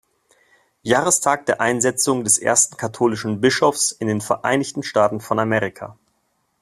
Jahrestag der Einsetzung des ersten katholischen Bischofs in den Vereinigten Staaten von Amerika.